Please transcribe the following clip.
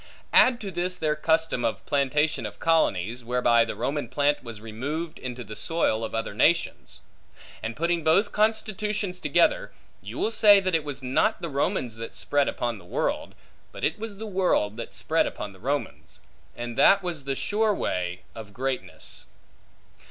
Add to this their custom of plantation of colonies; whereby the Roman plant was removed into the soil of other nations. And putting both constitutions together, you will say that it was not the Romans that spread upon the world, but it was the world that spread upon the Romans; and that was the sure way of greatness.